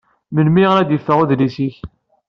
Melmi ara d-yeffeɣ udlis-ik?